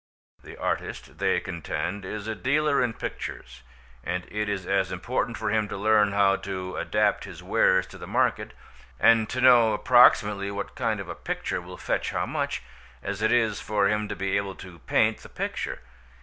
The artist, they contend, is a dealer in pictures, and it is as important for him to learn how to adapt his wares to the market, and to know approximately what kind of a picture will fetch how much, as it is for him to be able to paint the picture.